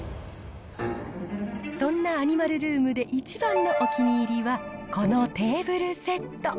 そんなアニマルルームで一番のお気に入りは、このテーブルセット。